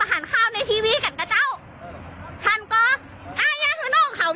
รถชุกเฉินต้องคือทางนอกข่าวกับทางนอกของมีคนไข้